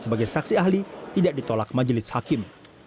sebagai saksi ahli tidak ditolak majelis hakim